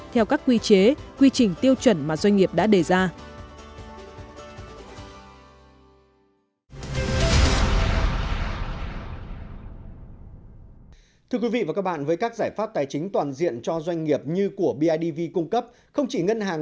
theo các quy chế quy trình tiêu chuẩn mà doanh nghiệp đã đề ra